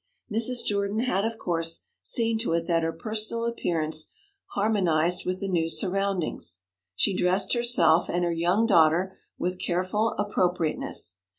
Mrs. Jordan had, of course, seen to it that her personal appearance harmonized with the new surroundings. She dressed herself and her young daughter with careful appropriateness.